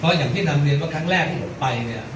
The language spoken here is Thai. อย่างที่นำเรียนว่าครั้งแรกที่ผมไปเนี่ย